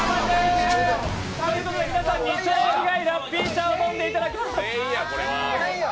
皆さんに超苦いラッピー茶を飲んでいただきます。